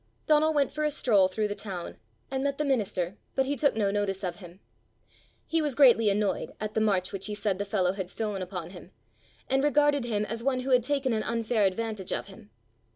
Donal went for a stroll through the town, and met the minister, but he took no notice of him. He was greatly annoyed at the march which he said the fellow had stolen upon him, and regarded him as one who had taken an unfair advantage of him.